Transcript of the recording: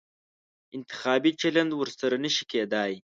انتخابي چلند ورسره نه شي کېدای.